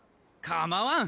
かまわん！